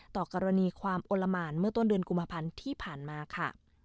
ต่อกรณีความอลละหมานเมื่อต้นเดือนกุมภาพันธ์ที่ผ่านมาค่ะ